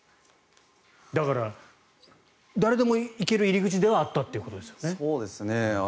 だから、誰でも行ける入り口ではあったということですね。